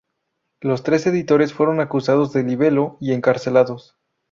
Los tres editores fueron acusados de libelo y encarcelados.